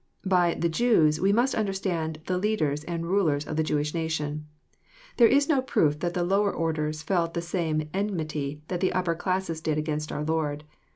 "] By "the Jews" we must understand the leaders and rulers of the Jewish nation. There is no proof that the Tourer orders felt the same enmity that the upper classes did against our Lord.